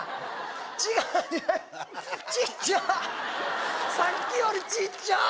違うちっちゃさっきよりちっちゃ！